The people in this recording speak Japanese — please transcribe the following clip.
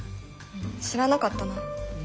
知らなかったな。